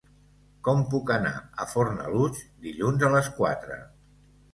Com puc anar a Fornalutx dilluns a les quatre?